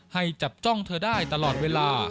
ให้จับจ้องเธอได้ตลอดเวลา